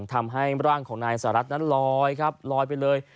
ทำให้ร่างของนายสหรัฐนั้นลอยครับลอยไปเลย